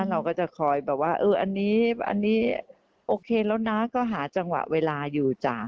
เราก็จะคอยแบบว่าเอออันนี้โอเคแล้วนะก็หาจังหวะเวลาอยู่จ้ะ